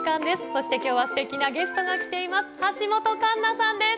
そして今日はすてきなゲストが来ています。